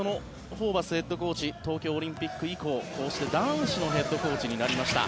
ホーバスヘッドコーチ東京オリンピック以降こうして男子のヘッドコーチになりました。